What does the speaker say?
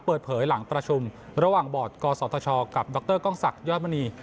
เปิดเผยหลังประชุมระหว่างบอร์ดกศธชกับดรกล้องศักดิยอดมณี